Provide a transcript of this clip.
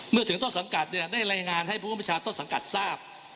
เมื่อถึงต้นสังกัดเนี่ยได้รายงานให้ผู้ประชาต้นสังกัดทราบ